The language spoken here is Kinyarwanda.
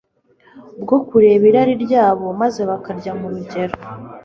bwo kureka irari ryabo, maze bakarya mu rugero,